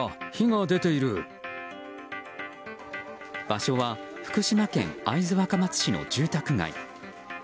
場所は福島県会津若松市の住宅街。